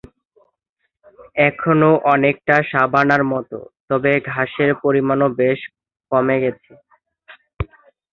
এখনও অনেকটা সাভানা-র মত, তবে ঘাসের পরিমাণও বেশ কমে গেছে।